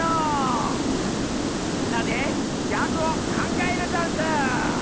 みんなでギャグをかんがえるざんす！